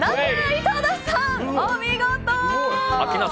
井戸田さん、お見事！